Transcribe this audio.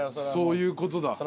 そういうことだ。